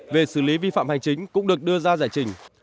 về xử lý vi phạm hành chính cũng được đưa ra giải trình